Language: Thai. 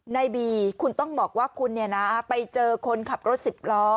นายบีคุณต้องบอกว่าคุณเนี่ยนะไปเจอคนขับรถสิบล้อ